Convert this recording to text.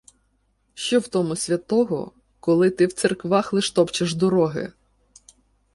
Що в тому святого, Коли ти в церквах лиш топчеш дороги.